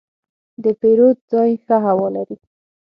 د پیرود ځای ښه هوا لري.